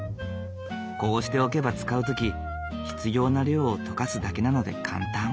こうしておけば使う時必要な量を解かすだけなので簡単。